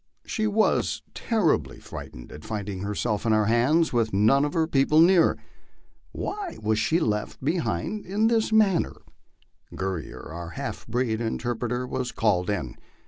She was terri bly frightened at finding herself in our hands, with none of her people near. Why was she left behind in this manner? Guerrier, our half breed interpret er, was called in.